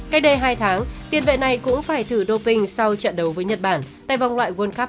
cách đây hai tháng tiền vệ này cũng phải thử đô bình sau trận đấu với nhật bản tại vòng loại world cup hai nghìn hai mươi hai